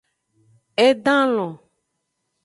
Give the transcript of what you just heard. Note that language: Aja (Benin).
E dan lon.